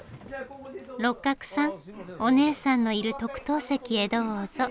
六角さんお姉さんのいる特等席へどうぞ。